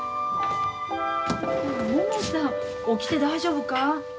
ももさん起きて大丈夫か？